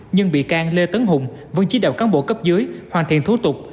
nhưng bị can lê tấn hùng vân chí đạo cán bộ cấp dưới hoàn thiện thú tục